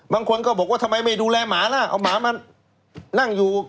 บางคนก็บอกว่าทำไมไม่ดูแลหมาล่ะเอาหมามานั่งอยู่